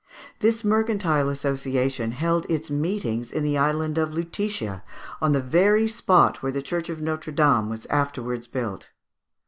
This mercantile association held its meetings in the island of Lutetia, on the very spot where the church of Notre Dame was afterwards built.